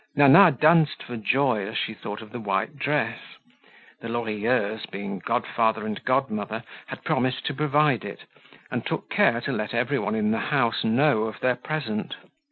Nana danced for joy as she thought of the white dress. The Lorilleuxs, being godfather and godmother, had promised to provide it, and took care to let everyone in the house know of their present.